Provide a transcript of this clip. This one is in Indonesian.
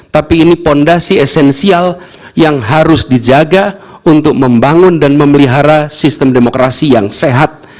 tapi ini fondasi esensial yang harus dijaga untuk membangun dan memelihara sistem demokrasi yang sehat